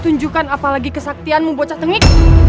tunjukkan apalagi kesaktianmu bocah tengik